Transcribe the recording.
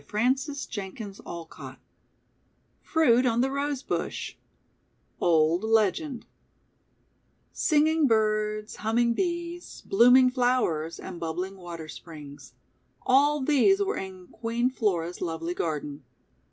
118 THE WONDER GARDEN FRUIT ON THE ROSE BUSH Old Legend SINGING birds, humming Bees, blooming flowers, and bubbling water springs, all these were in Queen Flora's lovely garden.